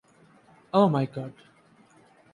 Oh my god!